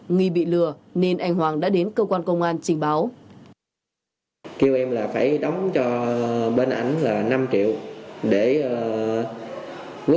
nghi bị lừa nên anh hoàng đã đến cơ quan công an trình báo